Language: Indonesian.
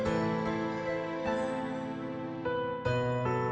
itu ya yang